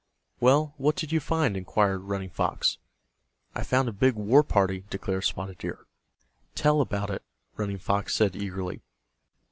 "Well, what did you find?" inquired Running Fox. "I found a big war party," declared Spotted Deer. "Tell about it," Running Fox said, eagerly.